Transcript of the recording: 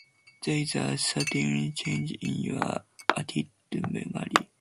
There is a certain change in your attitude to Mary.